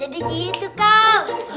jadi gitu kak